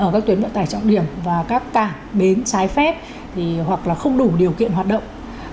các tuyến vận tải trọng điểm và các tảng bến trái phép hoặc là không đủ điều kiện hoạt động